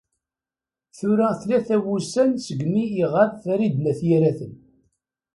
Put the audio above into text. Tura tlata wussan segmi iɣab Farid n At Yiraten.